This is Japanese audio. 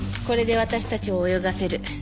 これで私たちを泳がせる。